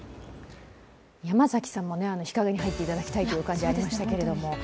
山崎さんも日陰に入っていただきたいという感じありましたけれども。